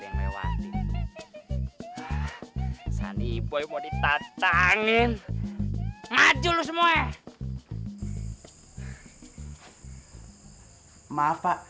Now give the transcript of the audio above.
udah baju gue hilang hilang semua